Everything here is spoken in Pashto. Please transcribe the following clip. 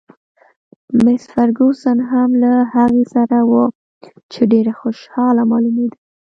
مس فرګوسن هم له هغې سره وه، چې ډېره خوشحاله معلومېده.